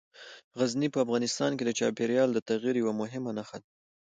غزني په افغانستان کې د چاپېریال د تغیر یوه مهمه نښه ده.